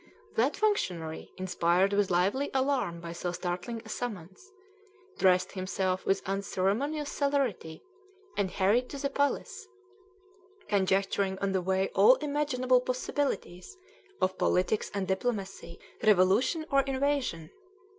That functionary, inspired with lively alarm by so startling a summons, dressed himself with unceremonious celerity, and hurried to the palace, conjecturing on the way all imaginable possibilities of politics and diplomacy, revolution or invasion.